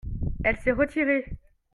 elle s'est retirée.